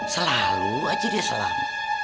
selalu aja dia sulam